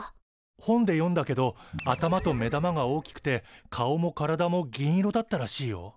本で読んだけど頭と目玉が大きくて顔も体も銀色だったらしいよ。